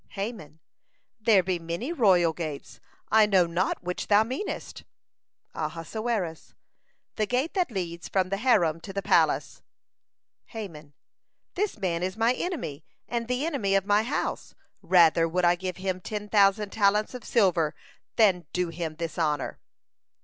Haman: "There be many royal gates; I know not which thou meanest." Ahasuerus: "The gate that leads from the harem to the palace." Haman: "This man is my enemy and the enemy of my house. Rather would I give him ten thousand talents of silver than do him this honor."